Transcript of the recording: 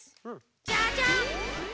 じゃじゃん！